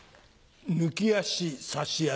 抜き足差し足。